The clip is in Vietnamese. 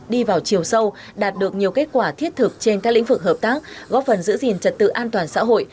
đi vào chiều sâu đạt được nhiều kết quả thiết thực trên các lĩnh vực hợp tác góp phần giữ gìn trật tự an toàn xã hội